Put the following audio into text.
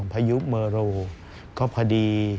พยุคเมอโรก็พอดี